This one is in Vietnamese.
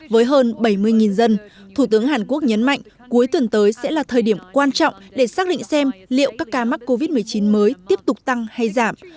với hơn bảy mươi dân thủ tướng hàn quốc nhấn mạnh cuối tuần tới sẽ là thời điểm quan trọng để xác định xem liệu các ca mắc covid một mươi chín mới tiếp tục tăng hay giảm